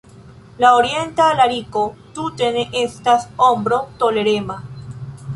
La orienta lariko tute ne estas ombro-tolerema.